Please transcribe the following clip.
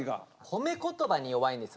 褒め言葉に弱いんです。